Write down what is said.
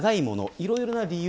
いろいろな理由。